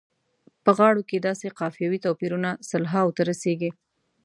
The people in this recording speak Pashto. په غاړو کې داسې قافیوي توپیرونه سلهاوو ته رسیږي.